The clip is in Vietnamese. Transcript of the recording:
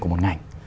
của một ngành